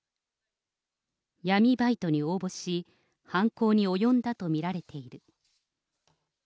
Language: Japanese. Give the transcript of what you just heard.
闇バイトに応募し、犯行に及んだと見られている。